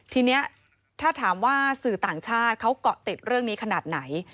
ทีนี้ถ้าถามว่าสื่อต่างชาติเขาเกาะติดเรื่องนี้ขนาดไหน